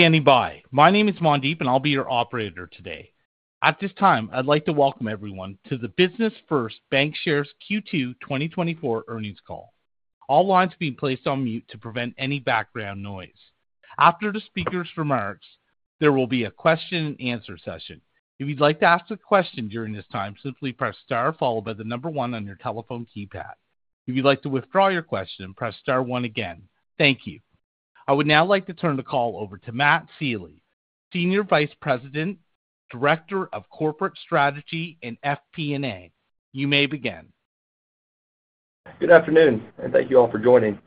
Standing by. My name is Mandeep, and I'll be your operator today. At this time, I'd like to welcome everyone to the Business First Bancshares Q2 2024 earnings call. All lines are being placed on mute to prevent any background noise. After the speaker's remarks, there will be a session. If you'd like to ask a question during this time, simply press star followed by the number one on your telephone keypad. If you'd like to withdraw your question, press star one again. Thank you. I would now like to turn the call over to Matt Sealy, Senior Vice President, Director of Corporate Strategy in FP&A. You may begin. Good afternoon, and thank you all for joining.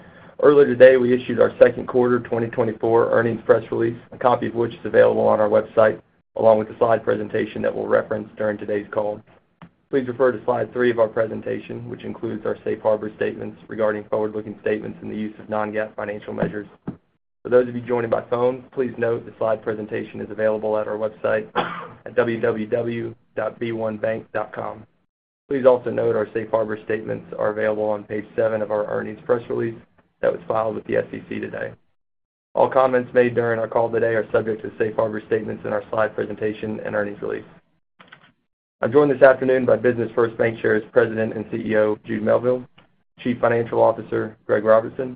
Earlier today, we issued our Q2 2024 earnings press release, a copy of which is available on our website, along with the slide presentation that we'll reference during today's call. Please refer to slide three of our presentation, which includes our safe harbor statements regarding forward-looking statements and the use of non-GAAP financial measures. For those of you joining by phone, please note the slide presentation is available at our website at www.b1bank.com. Please also note our safe harbor statements are available on page seven of our earnings press release that was filed with the SEC today. All comments made during our call today are subject to safe harbor statements in our slide presentation and earnings release. I'm joined this afternoon by Business First Bancshares President and CEO, Jude Melville, Chief Financial Officer, Greg Robertson,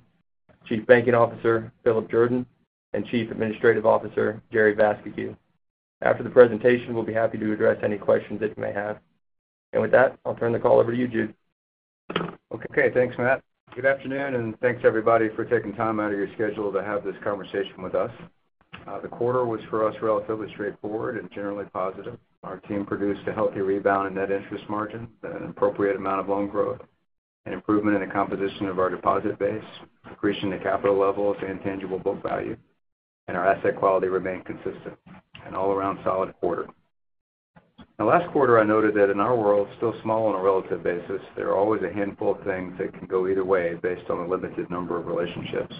Chief Banking Officer, Philip Jordan, and Chief Administrative Officer, Jerry Vascocu. After the presentation, we'll be happy to address any questions that you may have. With that, I'll turn the call over to you, Jude. Okay, thanks, Matt. Good afternoon, and thanks everybody for taking time out of your schedule to have this conversation with us. The quarter was for us relatively straightforward and generally positive. Our team produced a healthy rebound in net interest margin, an appropriate amount of loan growth, an improvement in the composition of our deposit base, increasing the capital levels and tangible book value, and our asset quality remained consistent, an all-around solid quarter. The last quarter, I noted that in our world, still small on a relative basis, there are always a handful of things that can go either way based on the limited number of relationships.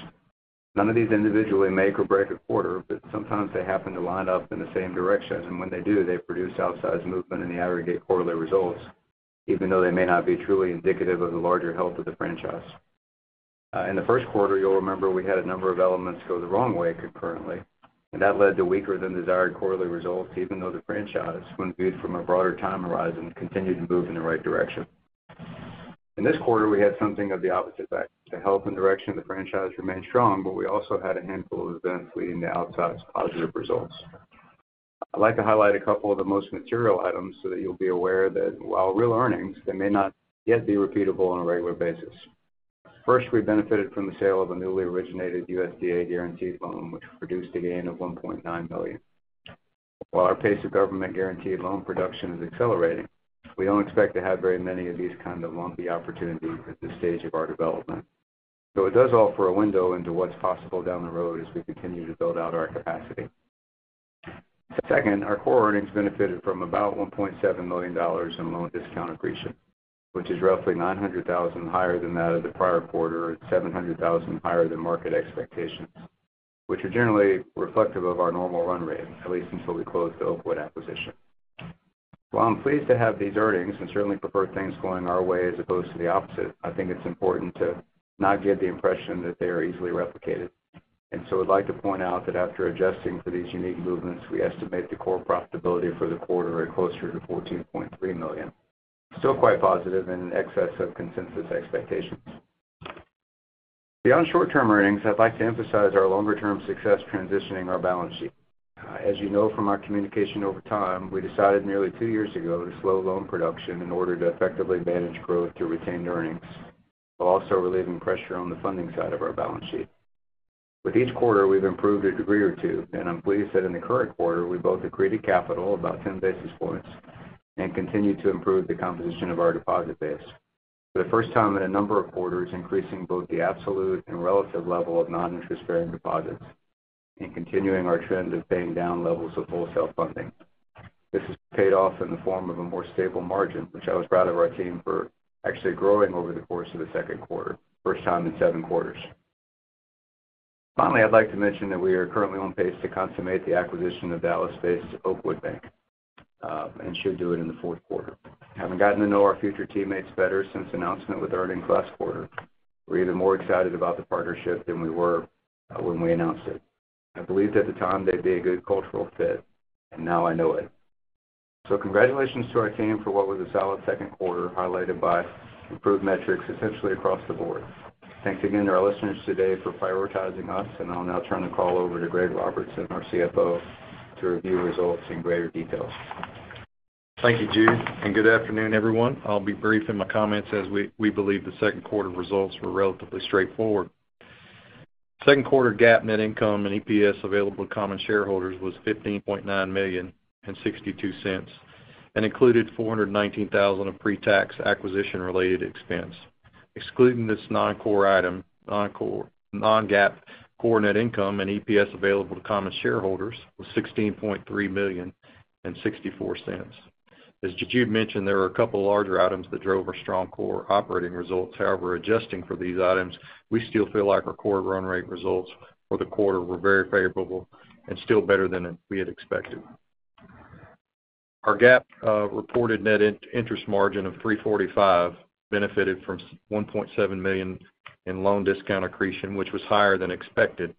None of these individually make or break a quarter, but sometimes they happen to line up in the same direction, and when they do, they produce outsized movement in the aggregate quarterly results, even though they may not be truly indicative of the larger health of the franchise. In the Q1, you'll remember we had a number of elements go the wrong way concurrently, and that led to weaker-than-desired quarterly results, even though the franchise, when viewed from a broader time horizon, continued to move in the right direction. In this quarter, we had something of the opposite effect. The health and direction of the franchise remained strong, but we also had a handful of events leading to outsized positive results. I'd like to highlight a couple of the most material items so that you'll be aware that while real earnings, they may not yet be repeatable on a regular basis. First, we benefited from the sale of a newly originated USDA guaranteed loan, which produced a gain of $1.9 million. While our pace of government-guaranteed loan production is accelerating, we don't expect to have very many of these kinds of lumpy opportunities at this stage of our development. So it does offer a window into what's possible down the road as we continue to build out our capacity. Second, our core earnings benefited from about $1.7 million in loan discount accretion, which is roughly $900,000 higher than that of the prior quarter and $700,000 higher than market expectations, which are generally reflective of our normal run rate, at least until we closed the Oakwood acquisition. While I'm pleased to have these earnings and certainly prefer things going our way as opposed to the opposite, I think it's important to not give the impression that they are easily replicated. And so I'd like to point out that after adjusting for these unique movements, we estimate the core profitability for the quarter at closer to $14.3 million. Still quite positive in excess of consensus expectations. Beyond short-term earnings, I'd like to emphasize our longer-term success transitioning our balance sheet. As you know from our communication over time, we decided nearly two years ago to slow loan production in order to effectively manage growth to retained earnings, while also relieving pressure on the funding side of our balance sheet. With each quarter, we've improved a degree or two, and I'm pleased that in the current quarter, we both accreted capital about 10 basis points and continued to improve the composition of our deposit base, for the first time in a number of quarters, increasing both the absolute and relative level of non-interest-bearing deposits and continuing our trend of paying down levels of wholesale funding. This has paid off in the form of a more stable margin, which I was proud of our team for actually growing over the course of the Q2, first time seven quarters. Finally, I'd like to mention that we are currently on pace to consummate the acquisition of Dallas-based Oakwood Bank and should do it in the Q4. Having gotten to know our future teammates better since announcement with earnings last quarter, we're even more excited about the partnership than we were when we announced it. I believed at the time they'd be a good cultural fit, and now I know it. So congratulations to our team for what was a solid Q2 highlighted by improved metrics essentially across the board. Thanks again to our listeners today for prioritizing us, and I'll now turn the call over to Greg Robertson, our CFO, to review results in greater detail. Thank you, Jude, and good afternoon, everyone. I'll be brief in my comments as we believe the Q2 results were relatively straightforward. Q2 GAAP net income and EPS available to common shareholders was $15.9 million and $0.62 and included $419,000 of pre-tax acquisition-related expense. Excluding this non-core item, non-GAAP core net income and EPS available to common shareholders was $16.3 million and $0.64. As Jude mentioned, there were a couple of larger items that drove our strong core operating results. However, adjusting for these items, we still feel like our core run rate results for the quarter were very favorable and still better than we had expected. Our GAAP reported net interest margin of 3.45% benefited from $1.7 million in loan discount accretion, which was higher than expected.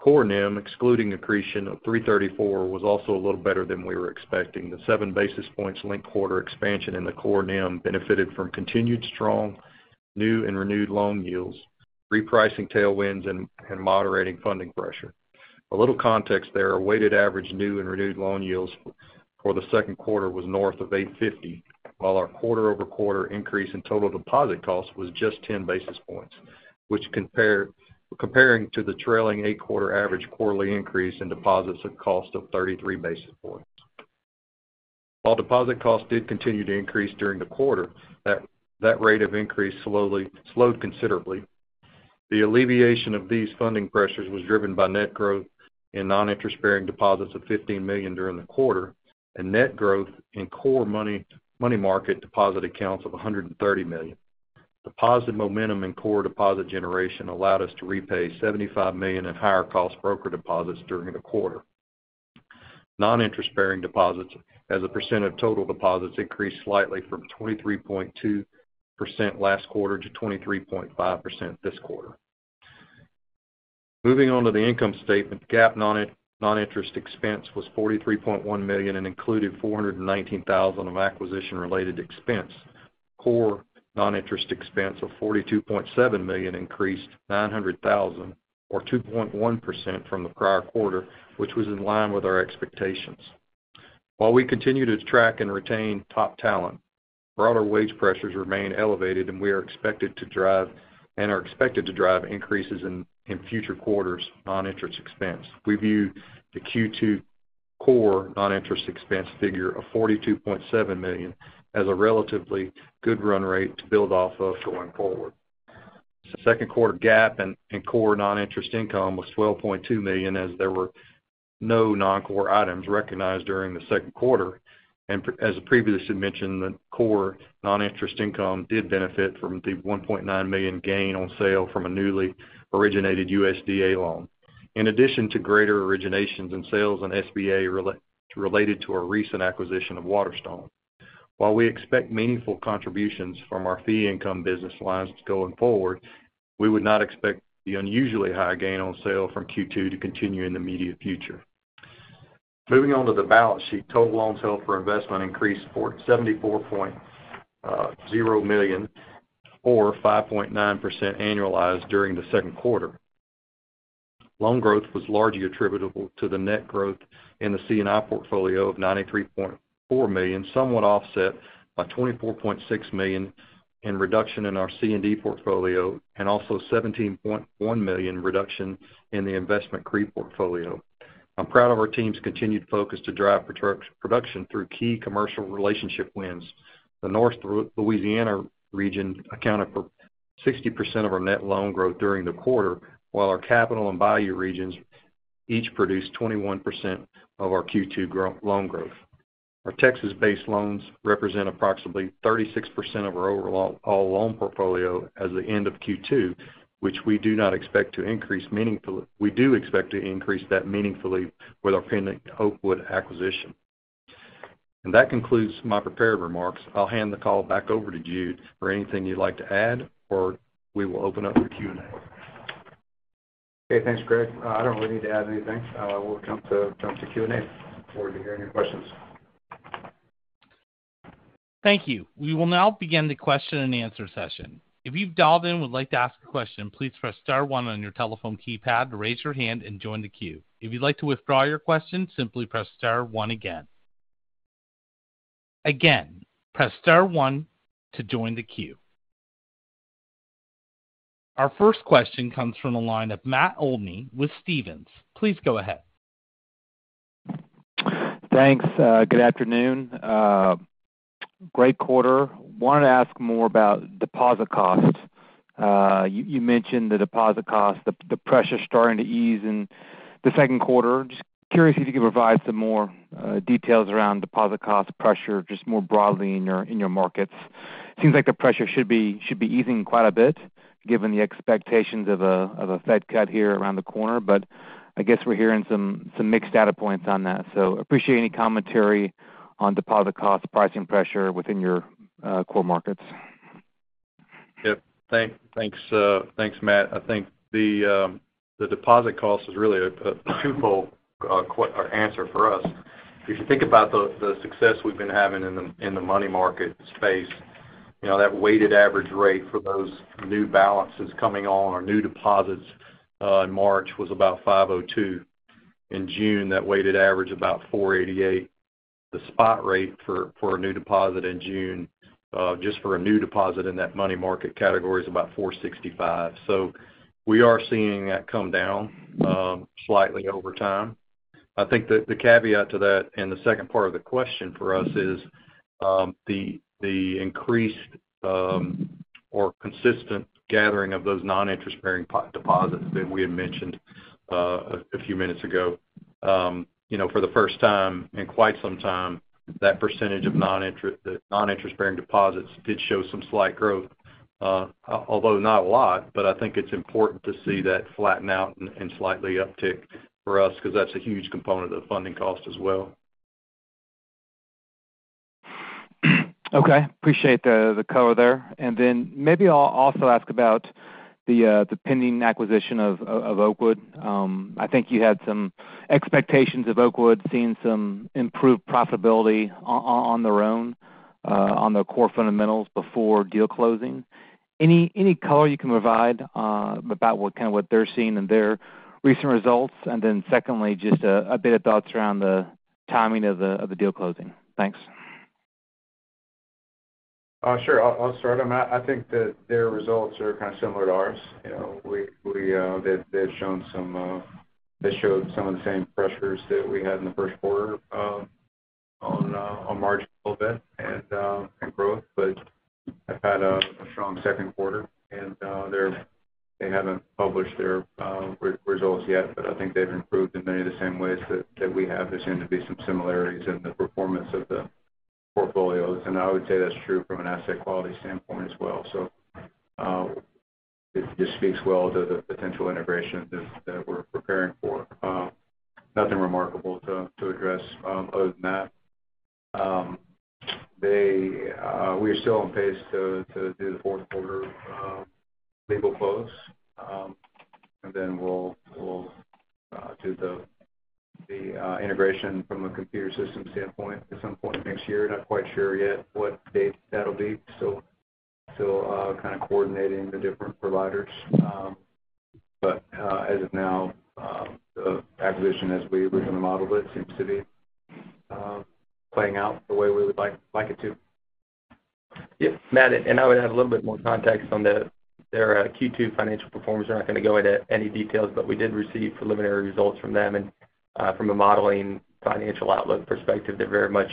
Core NIM, excluding accretion of 3.34%, was also a little better than we were expecting. The 7 basis points linked-quarter expansion in the core NIM benefited from continued strong new and renewed loan yields, repricing tailwinds, and moderating funding pressure. A little context there: our weighted average new and renewed loan yields for the Q2 was north of $8.50, while our quarter-over-quarter increase in total deposit cost was just 10 basis points, which compared to the trailing eight-quarter average quarterly increase in deposits at a cost of 33 basis points. While deposit costs did continue to increase during the quarter, that rate of increase slowed considerably. The alleviation of these funding pressures was driven by net growth in non-interest-bearing deposits of $15 million during the quarter and net growth in core money market deposit accounts of $130 million. The positive momentum in core deposit generation allowed us to repay $75 million in higher-cost broker deposits during the quarter. Non-interest-bearing deposits, as a percent of total deposits, increased slightly from 23.2% last quarter to 23.5% this quarter. Moving on to the income statement, GAAP non-interest expense was $43.1 million and included $419,000 of acquisition-related expense. Core non-interest expense of $42.7 million increased $900,000 or 2.1% from the prior quarter, which was in line with our expectations. While we continue to track and retain top talent, broader wage pressures remain elevated, and we are expected to drive increases in future quarters' non-interest expense. We view the Q2 core non-interest expense figure of $42.7 million as a relatively good run rate to build off of going forward. The Q2 GAAP and core non-interest income was $12.2 million, as there were no non-core items recognized during the Q2. As previously mentioned, the core non-interest income did benefit from the $1.9 million gain on sale from a newly originated USDA loan, in addition to greater originations and sales on SBA related to our recent acquisition of Waterstone. While we expect meaningful contributions from our fee income business lines going forward, we would not expect the unusually high gain on sale from Q2 to continue in the immediate future. Moving on to the balance sheet, total loan sales for investment increased $74.0 million or 5.9% annualized during the Q2. Loan growth was largely attributable to the net growth in the C&I portfolio of $93.4 million, somewhat offset by $24.6 million in reduction in our C&D portfolio and also $17.1 million reduction in the investment CRE portfolio. I'm proud of our team's continued focus to drive production through key commercial relationship wins. The North Louisiana region accounted for 60% of our net loan growth during the quarter, while our capital and Bayou regions each produced 21% of our Q2 loan growth. Our Texas-based loans represent approximately 36% of our overall loan portfolio as the end of Q2, which we do not expect to increase meaningfully. We do expect to increase that meaningfully with our pending Oakwood acquisition. That concludes my prepared remarks. I'll hand the call back over to Jude for anything you'd like to add, or we will open up for Q&A. Okay, thanks, Greg. I don't really need to add anything. We'll jump to Q&A before we can hear any questions. Thank you. We will now begin the Q&A session. If you've dialed in and would like to ask a question, please press star one on your telephone keypad to raise your hand and join the queue. If you'd like to withdraw your question, simply press star one again. Again, press star one to join the queue. Our first question comes from the line of Matt Olney with Stephens. Please go ahead. Thanks. Good afternoon. Great quarter. Wanted to ask more about deposit costs. You mentioned the deposit cost, the pressure starting to ease in the Q2. Just curious if you could provide some more details around deposit cost pressure, just more broadly in your markets. Seems like the pressure should be easing quite a bit, given the expectations of a Fed cut here around the corner, but I guess we're hearing some mixed data points on that. So appreciate any commentary on deposit cost pricing pressure within your core markets. Yep. Thanks, Matt. I think the deposit cost is really a twofold answer for us. If you think about the success we've been having in the money market space, that weighted average rate for those new balances coming on or new deposits in March was about $502. In June, that weighted average about 4.88%. The spot rate for a new deposit in June, just for a new deposit in that money market category, is about $465. So we are seeing that come down slightly over time. I think the caveat to that in the second part of the question for us is the increased or consistent gathering of those non-interest-bearing deposits that we had mentioned a few minutes ago. For the first time in quite some time, that percentage of non-interest-bearing deposits did show some slight growth, although not a lot, but I think it's important to see that flatten out and slightly uptick for us because that's a huge component of funding cost as well. Okay. Appreciate the color there. And then maybe I'll also ask about the pending acquisition of Oakwood. I think you had some expectations of Oakwood seeing some improved profitability on their own on their core fundamentals before deal closing. Any color you can provide about kind of what they're seeing in their recent results? And then secondly, just a bit of thoughts around the timing of the deal closing. Thanks. Sure. I'll start. I think that their results are kind of similar to ours. They've shown some of the same pressures that we had in the Q1 on margin a little bit and growth, but have had a strong Q2. And they haven't published their results yet, but I think they've improved in many of the same ways that we have. There seem to be some similarities in the performance of the portfolios, and I would say that's true from an asset quality standpoint as well. So it just speaks well to the potential integration that we're preparing for. Nothing remarkable to address other than that. We are still on pace to do the Q4 legal close, and then we'll do the integration from a computer-system standpoint at some point next year. Not quite sure yet what date that'll be. Still kind of coordinating the different providers, but as of now, the acquisition, as we originally modeled it, seems to be playing out the way we would like it to. Yep. Matt, and I would add a little bit more context on their Q2 financial performance. We're not going to go into any details, but we did receive preliminary results from them. And from a modeling financial outlook perspective, they're very much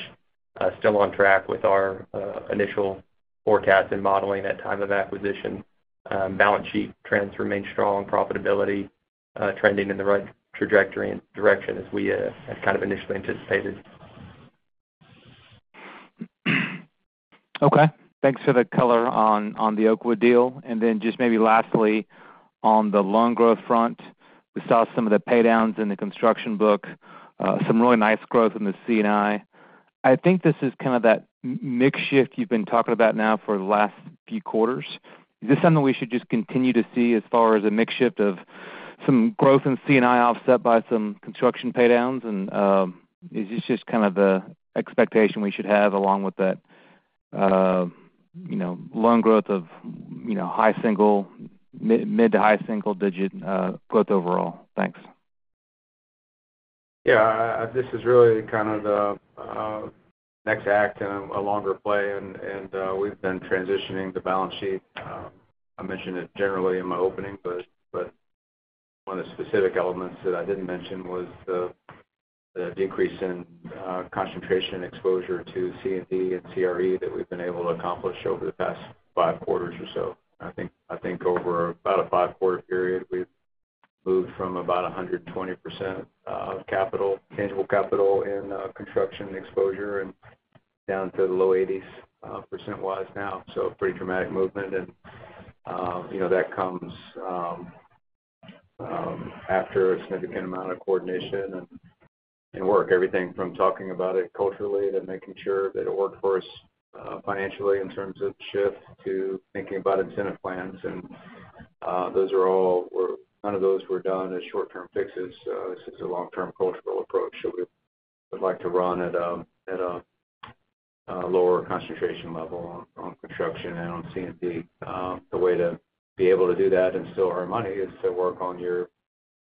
still on track with our initial forecast and modeling at time of acquisition. Balance sheet trends remain strong. Profitability trending in the right trajectory and direction as we had kind of initially anticipated. Okay. Thanks for the color on the Oakwood deal. Then just maybe lastly, on the loan growth front, we saw some of the paydowns in the construction book, some really nice growth in the C&I. I think this is kind of that mixed shift you've been talking about now for the last few quarters. Is this something we should just continue to see as far as a mixed shift of some growth in C&I offset by some construction paydowns? And is this just kind of the expectation we should have along with that loan growth of high single, mid to high single digit growth overall? Thanks. Yeah. This is really kind of the next act in a longer play, and we've been transitioning the balance sheet. I mentioned it generally in my opening, but one of the specific elements that I didn't mention was the decrease in concentration exposure to C&D and CRE that we've been able to accomplish over the past five quarters or so. I think over about a five-quarter period, we've moved from about 120% of capital, tangible capital in construction exposure, down to the low 80s%-wise now. So pretty dramatic movement, and that comes after a significant amount of coordination and work. Everything from talking about it culturally to making sure that it worked for us financially in terms of shift to thinking about incentive plans. And none of those were done as short-term fixes. This is a long-term cultural approach. So we would like to run at a lower concentration level on construction and on C&D. The way to be able to do that and still earn money is to work on your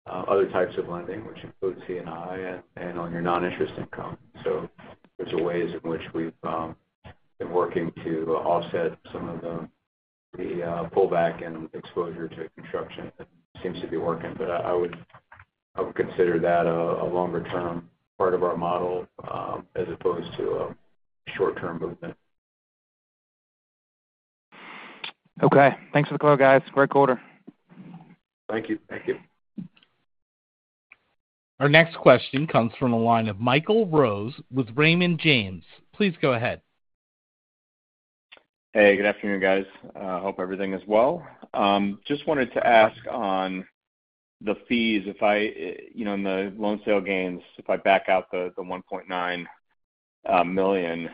other types of lending, which includes C&I and on your non-interest income. So there's ways in which we've been working to offset some of the pullback in exposure to construction that seems to be working, but I would consider that a longer-term part of our model as opposed to a short-term movement. Okay. Thanks for the color, guys. Great quarter. Thank you. Our next question comes from the line of Michael Rose with Raymond James. Please go ahead. Hey, good afternoon, guys. Hope everything is well. Just wanted to ask on the fees. In the loan sale gains, if I back out the $1.9 million,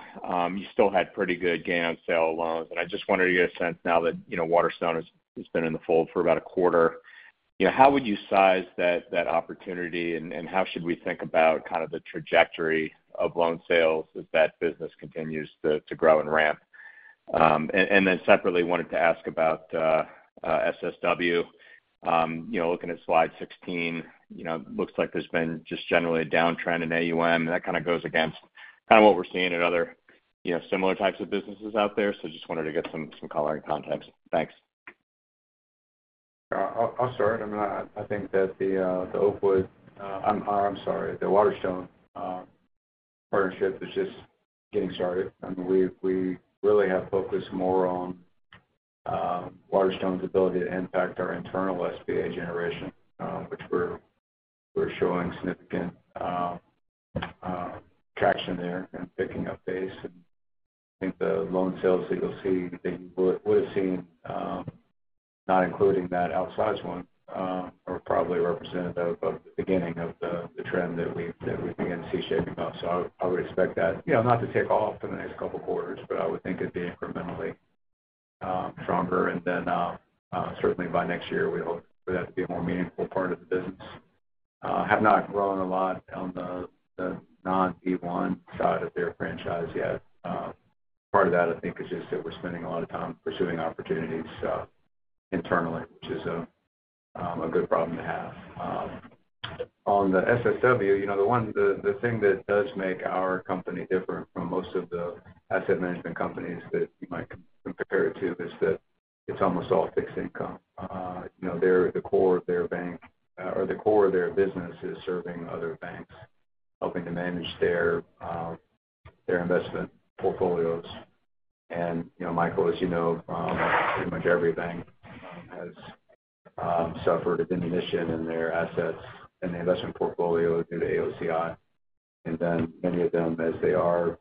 you still had pretty good gain on sale loans. And I just wondered to get a sense now that Waterstone has been in the fold for about a quarter. How would you size that opportunity, and how should we think about kind of the trajectory of loan sales as that business continues to grow and ramp? And then separately, wanted to ask about SSW. Looking at slide 16, it looks like there's been just generally a downtrend in AUM. That kind of goes against kind of what we're seeing in other similar types of businesses out there. So just wanted to get some color and context. Thanks. I'll start. I think that the Oakwood—I'm sorry, the Waterstone partnership is just getting started. I mean, we really have focused more on Waterstone's ability to impact our internal SBA generation, which we're showing significant traction there and picking up pace. And I think the loan sales that you'll see that you would have seen, not including that outsized one, are probably representative of the beginning of the trend that we began to see shaping up. So I would expect that not to take off in the next couple of quarters, but I would think it'd be incrementally stronger. And then certainly by next year, we hope for that to be a more meaningful part of the business. Have not grown a lot on the non-B1 side of their franchise yet. Part of that, I think, is just that we're spending a lot of time pursuing opportunities internally, which is a good problem to have. On the SSW, the thing that does make our company different from most of the asset management companies that you might compare it to is that it's almost all fixed income. The core of their bank or the core of their business is serving other banks, helping to manage their investment portfolios. And Michael, as you know, pretty much every bank has suffered a diminution in their assets and the investment portfolio due to AOCI. And then many of them, as they are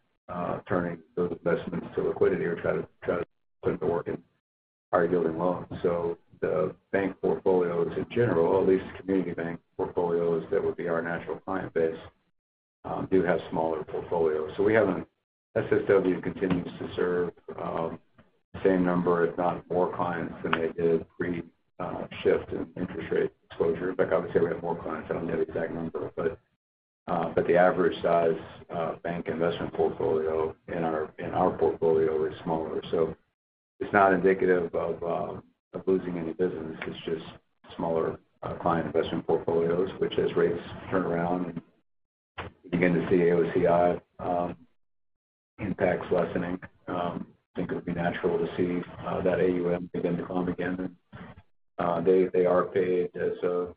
turning those investments to liquidity or trying to put them to work in high-yielding loans. So the bank portfolios in general, at least community bank portfolios that would be our natural client base, do have smaller portfolios. So SSW continues to serve the same number, if not more clients than they did pre-shift in interest rate exposure. In fact, I would say we have more clients. I don't know the exact number, but the average size bank investment portfolio in our portfolio is smaller. So it's not indicative of losing any business. It's just smaller client investment portfolios, which as rates turn around and we begin to see AOCI impacts lessening, I think it would be natural to see that AUM begin to climb again. They are paid as a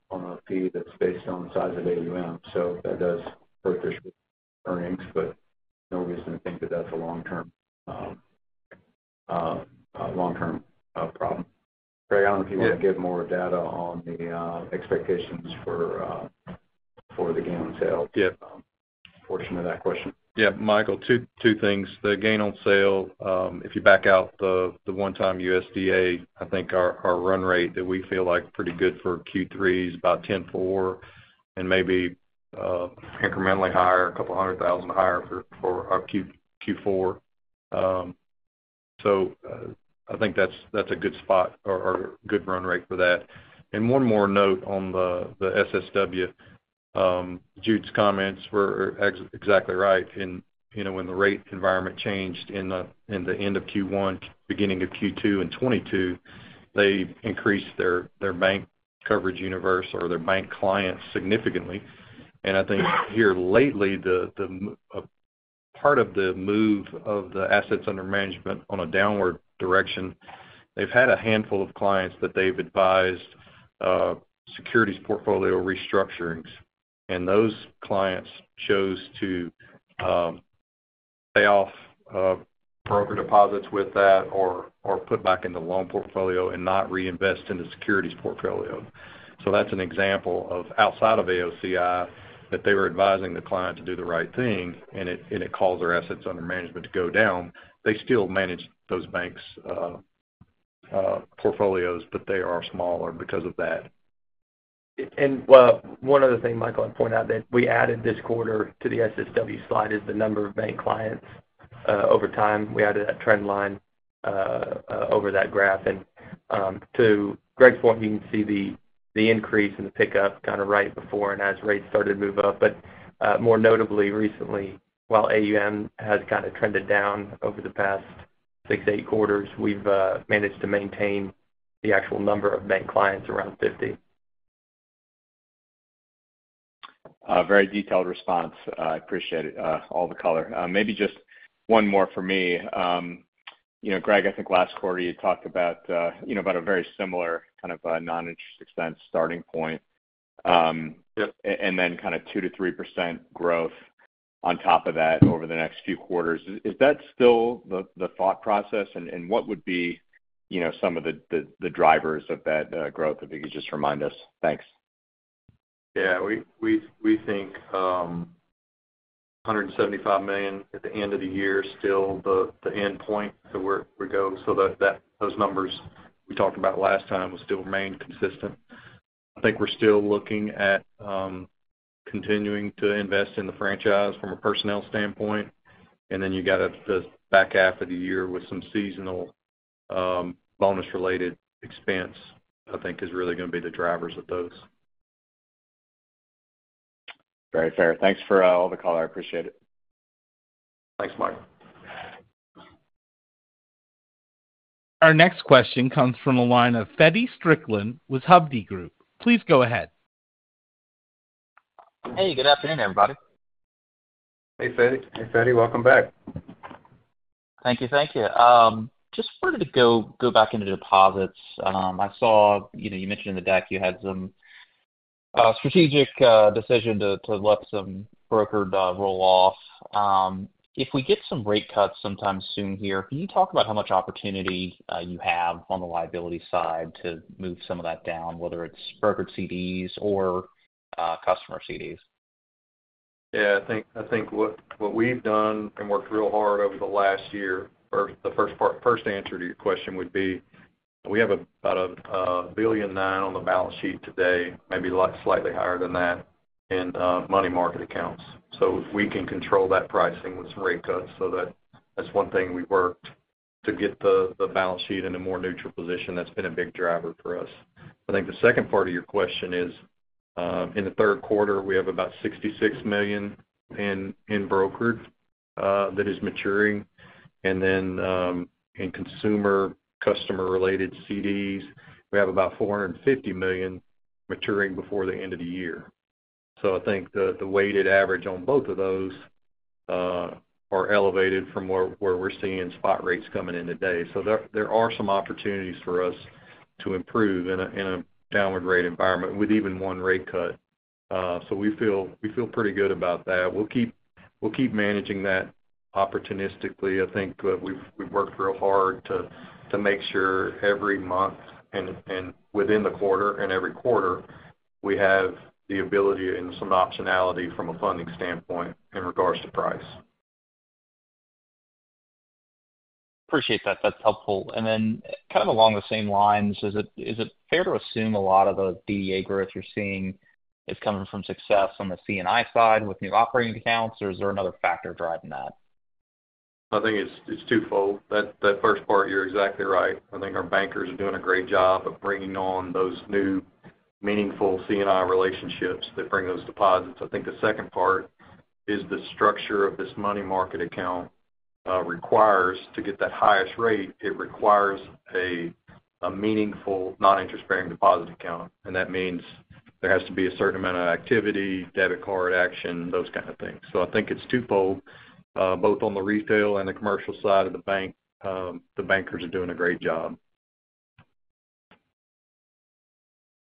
fee that's based on the size of AUM. So that does hurt their earnings, but no reason to think that that's a long-term problem. Greg, I don't know if you want to give more data on the expectations for the gain on sale portion of that question. Yeah. Michael, two things. The gain on sale, if you back out the one-time USDA, I think our run rate that we feel like pretty good for Q3 is about $10.4, and maybe incrementally higher, $200,000 higher for Q4. So I think that's a good spot or a good run rate for that. And one more note on the SSW. Jude's comments were exactly right. And when the rate environment changed in the end of Q1, beginning of Q2 in 2022, they increased their bank coverage universe or their bank clients significantly. And I think here lately, part of the move of the assets under management on a downward direction, they've had a handful of clients that they've advised securities portfolio restructurings. And those clients chose to pay off broker deposits with that or put back into the loan portfolio and not reinvest in the securities portfolio. So that's an example of outside of AOCI that they were advising the client to do the right thing, and it caused their assets under management to go down. They still manage those banks' portfolios, but they are smaller because of that. And one other thing, Michael, I'd point out that we added this quarter to the SSW slide is the number of bank clients over time. We added that trend line over that graph. And to Greg's point, you can see the increase in the pickup kind of right before and as rates started to move up. But more notably recently, while AUM has kind of trended down over the past six, eight quarters, we've managed to maintain the actual number of bank clients around 50. Very detailed response. I appreciate it. All the color. Maybe just one more for me. Greg, I think last quarter you talked about a very similar kind of non-interest expense starting point and then kind of 2%-3% growth on top of that over the next few quarters. Is that still the thought process? And what would be some of the drivers of that growth if you could just remind us? Thanks. Yeah. We think $175 million at the end of the year is still the end point that we go. So those numbers we talked about last time will still remain consistent. I think we're still looking at continuing to invest in the franchise from a personnel standpoint. And then you got the back half of the year with some seasonal bonus-related expense, I think, is really going to be the drivers of those. Very fair. Thanks for all the color. I appreciate it. Thanks, Mike. Our next question comes from a line of Feddie Strickland with Hovde Group. Please go ahead. Hey, good afternoon, everybody. Hey, Feddie. Hey, Feddie. Welcome back. Thank you. Just wanted to go back into deposits. I saw you mentioned in the deck you had some strategic decision to let some brokered roll off. If we get some rate cuts sometime soon here, can you talk about how much opportunity you have on the liability side to move some of that down, whether it's brokered CDs or customer CDs? Yeah. I think what we've done and worked real hard over the last year, the first answer to your question would be we have about $1.9 billion on the balance sheet today, maybe slightly higher than that in money market accounts. So we can control that pricing with some rate cuts. So that's one thing we worked to get the balance sheet in a more neutral position. That's been a big driver for us. I think the second part of your question is in the Q3, we have about $66 million in brokered that is maturing. And then in consumer customer-related CDs, we have about $450 million maturing before the end of the year. So I think the weighted average on both of those are elevated from where we're seeing spot rates coming in today. So there are some opportunities for us to improve in a downward rate environment with even one rate cut. So we feel pretty good about that. We'll keep managing that opportunistically. I think we've worked real hard to make sure every month and within the quarter and every quarter, we have the ability and some optionality from a funding standpoint in regards to price. Appreciate that. That's helpful. And then kind of along the same lines, is it fair to assume a lot of the DDA growth you're seeing is coming from success on the C&I side with new operating accounts, or is there another factor driving that? I think it's twofold. That first part, you're exactly right. I think our bankers are doing a great job of bringing on those new meaningful C&I relationships that bring those deposits. I think the second part is the structure of this money market account requires to get that highest rate. It requires a meaningful non-interest-bearing deposit account. And that means there has to be a certain amount of activity, debit card action, those kinds of things. So I think it's twofold, both on the retail and the commercial side of the bank. The bankers are doing a great job.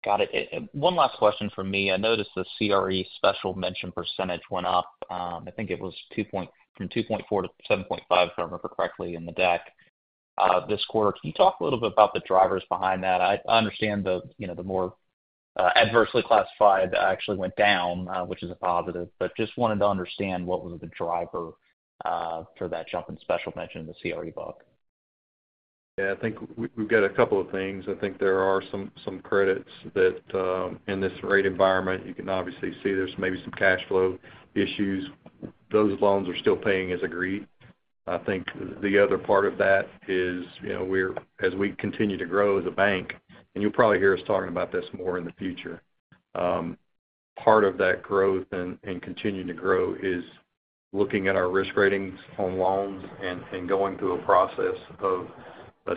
Got it. One last question for me. I noticed the CRE special mention percentage went up. I think it was from 2.4%-7.5%, if I remember correctly, in the deck this quarter. Can you talk a little bit about the drivers behind that? I understand the more adversely classified actually went down, which is a positive, but just wanted to understand what was the driver for that jump in special mention in the CRE book? Yeah. I think we've got a couple of things. I think there are some credits that in this rate environment, you can obviously see there's maybe some cash flow issues. Those loans are still paying as agreed. I think the other part of that is as we continue to grow as a bank, and you'll probably hear us talking about this more in the future, part of that growth and continuing to grow is looking at our risk ratings on loans and going through a process of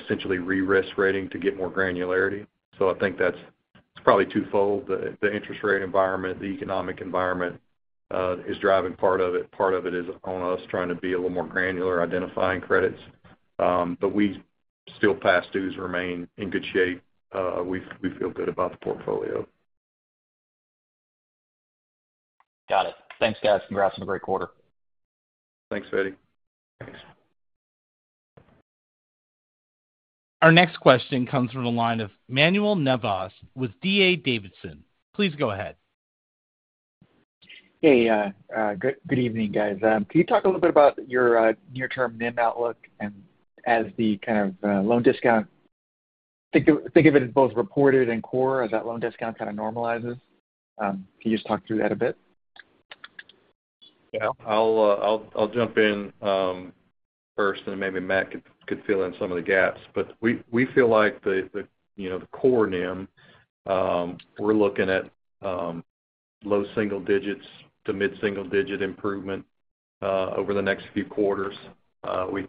essentially re-risk rating to get more granularity. So I think that's probably twofold. The interest rate environment, the economic environment is driving part of it. Part of it is on us trying to be a little more granular, identifying credits. But we still past due to remain in good shape. We feel good about the portfolio. Got it. Thanks, guys. Congrats on the great quarter. Thanks, Feddie. Thanks. Our next question comes from the line of Manuel Navas with D.A. Davidson. Please go ahead. Hey. Good evening, guys. Can you talk a little bit about your near-term NIM outlook and as the kind of loan discount? Think of it as both reported and core as that loan discount kind of normalizes. Can you just talk through that a bit? Yeah. I'll jump in first, and maybe Matt could fill in some of the GAAP. But we feel like the core NIM, we're looking at low single digits to mid-single digit improvement over the next few quarters. We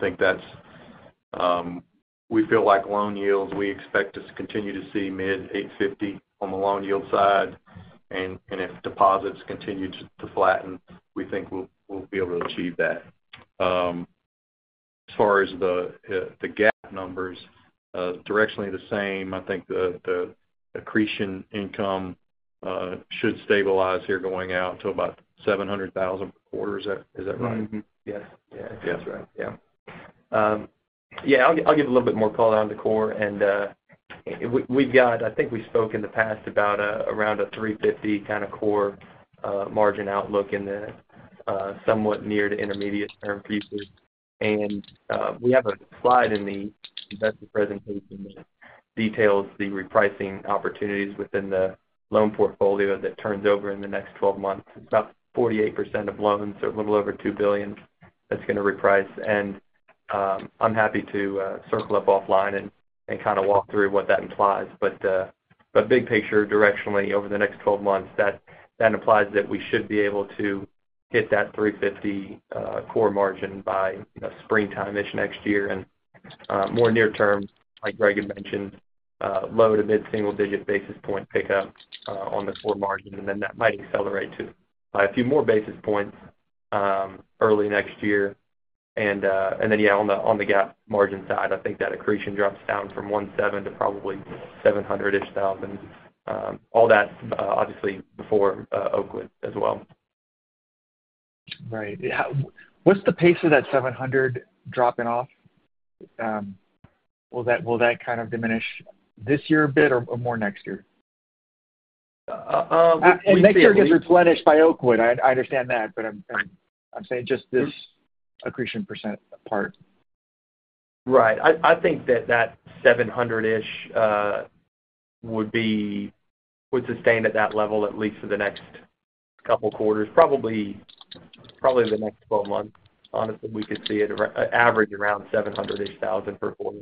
feel like loan yields, we expect to continue to see mid-8.50 on the loan yield side. And if deposits continue to flatten, we think we'll be able to achieve that. As far as the GAAP numbers, directionally the same. I think the accretion income should stabilize here going out to about $700,000 per quarter. Is that right? Yes. Yeah. That's right. Yeah. Yeah. I'll give a little bit more call out on the core. I think we spoke in the past about around a 350 kind of core margin outlook in the somewhat near to intermediate-term pieces. We have a slide in the investment presentation that details the repricing opportunities within the loan portfolio that turns over in the next 12 months. It's about 48% of loans, so a little over $2 billion that's going to reprice. I'm happy to circle up offline and kind of walk through what that implies. But big picture, directionally over the next 12 months, that implies that we should be able to hit that 350 core margin by springtime-ish next year. More near-term, like Greg had mentioned, low to mid-single digit basis point pickup on the core margin. And then that might accelerate to by a few more basis points early next year. And then, yeah, on the GAAP margin side, I think that accretion drops down from $1.7 million to probably $700,000-ish. All that, obviously, before Oakwood as well. Right. What's the pace of that 700 dropping off? Will that kind of diminish this year a bit or more next year? And next year gets replenished by Oakwood. I understand that, but I'm saying just this accretion percent part. Right. I think that that $700-ish would sustain at that level at least for the next couple of quarters, probably the next 12 months. Honestly, we could see it average around $700-ish thousand per quarter.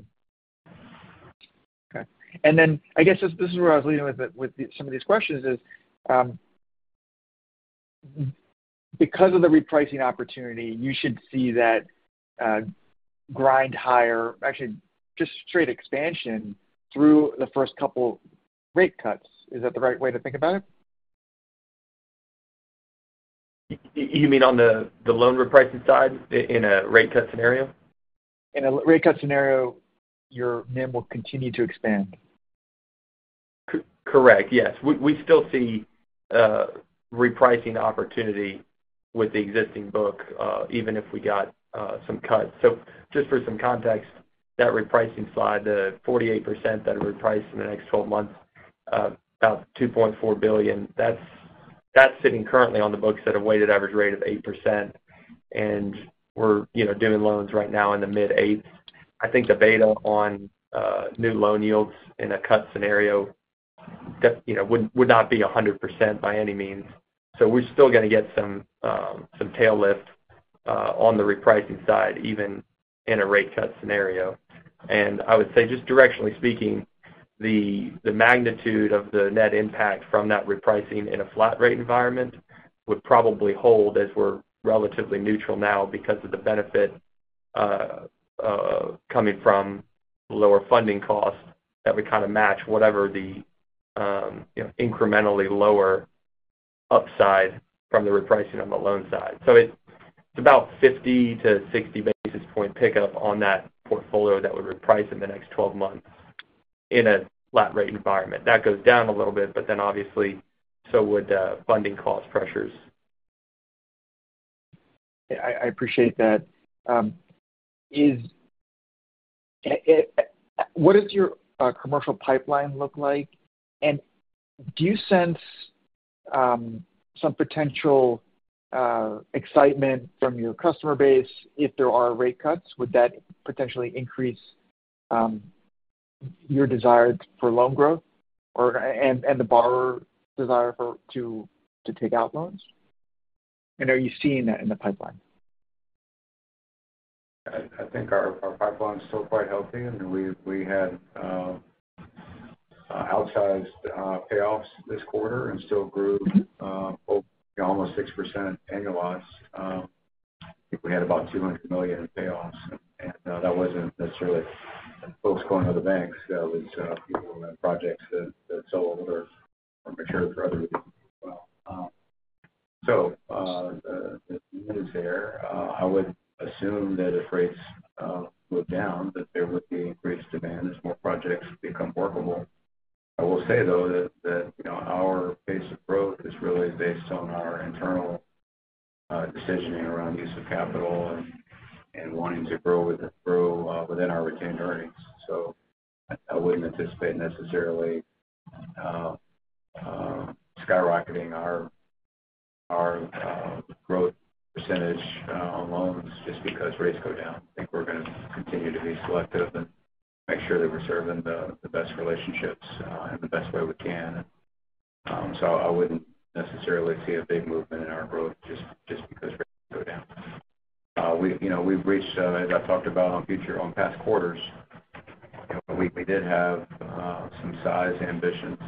Okay. And then I guess this is where I was leading with some of these questions is because of the repricing opportunity, you should see that grind higher, actually just straight expansion through the first couple of rate cuts. Is that the right way to think about it? You mean on the loan repricing side in a rate cut scenario? In a rate cut scenario, your NIM will continue to expand. Correct. Yes. We still see repricing opportunity with the existing book, even if we got some cuts. So just for some context, that repricing slide, the 48% that are repriced in the next 12 months, about $2.4 billion, that's sitting currently on the books at a weighted average rate of 8%. And we're doing loans right now in the mid-8s. I think the beta on new loan yields in a cut scenario would not be 100% by any means. So we're still going to get some tail lift on the repricing side, even in a rate cut scenario. I would say just directionally speaking, the magnitude of the net impact from that repricing in a flat rate environment would probably hold as we're relatively neutral now because of the benefit coming from lower funding costs that would kind of match whatever the incrementally lower upside from the repricing on the loan side. So it's about 50-60 basis point pickup on that portfolio that would reprice in the next 12 months in a flat rate environment. That goes down a little bit, but then obviously so would funding cost pressures. Yeah. I appreciate that. What does your commercial pipeline look like? And do you sense some potential excitement from your customer base if there are rate cuts? Would that potentially increase your desire for loan growth and the borrower's desire to take out loans? And are you seeing that in the pipeline? I think our pipeline is still quite healthy. I mean, we had outsized payoffs this quarter and still grew almost 6% annualized. I think we had about $200 million in payoffs. That wasn't necessarily folks going to the banks. That was people who had projects that sold or matured for other reasons as well. The news there, I would assume that if rates go down, that there would be increased demand as more projects become workable. I will say, though, that our pace of growth is really based on our internal decisioning around use of capital and wanting to grow within our retained earnings. I wouldn't anticipate necessarily skyrocketing our growth percentage on loans just because rates go down. I think we're going to continue to be selective and make sure that we're serving the best relationships in the best way we can. So I wouldn't necessarily see a big movement in our growth just because rates go down. We've reached, as I talked about on past quarters, we did have some size ambitions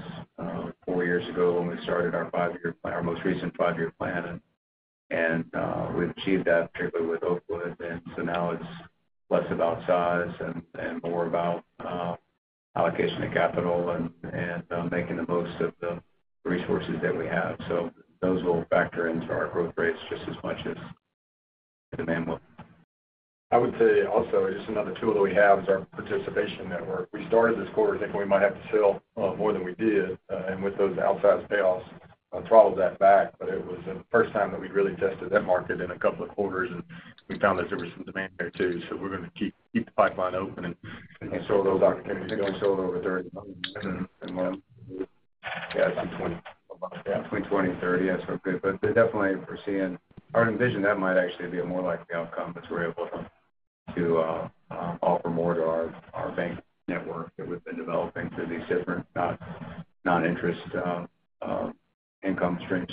four years ago when we started our five-year plan, our most recent five-year plan. And we've achieved that particularly with Oakwood. And so now it's less about size and more about allocation of capital and making the most of the resources that we have. So those will factor into our growth rates just as much as demand will. I would say also just another tool that we have is our participation network. We started this quarter thinking we might have to sell more than we did. And with those outsized payoffs, it throttled that back. But it was the first time that we really tested that market in a couple of quarters. And we found that there was some demand there too. So we're going to keep the pipeline open and show those opportunities going short over $30 months and more. Yeah, 2020 and 30, that's real good. But definitely, we're seeing our envision that might actually be a more likely outcome as we're able to offer more to our bank network that we've been developing through these different non-interest income streams.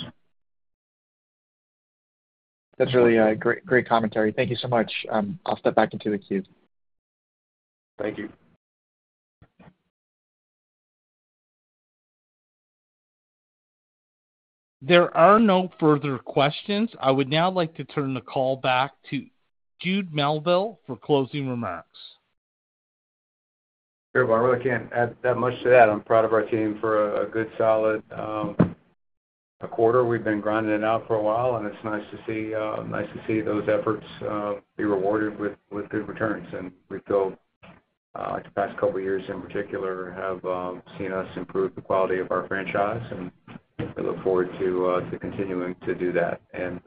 That's really great commentary. Thank you so much. I'll step back into the queue. Thank you. There are no further questions. I would now like to turn the call back to Jude Melville for closing remarks. Sure. Well, I really can't add that much to that. I'm proud of our team for a good solid quarter. We've been grinding it out for a while. And it's nice to see those efforts be rewarded with good returns. And we feel like the past couple of years in particular have seen us improve the quality of our franchise. And we look forward to continuing to do that. And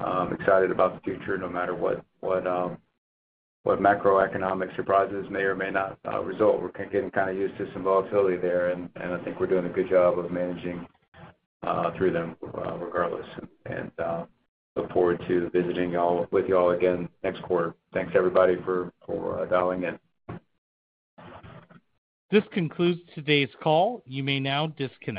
I'm excited about the future no matter what macroeconomic surprises may or may not result. We're getting kind of used to some volatility there. And I think we're doing a good job of managing through them regardless. And look forward to visiting with y'all again next quarter. Thanks, everybody, for dialing in. This concludes today's call. You may now disconnect.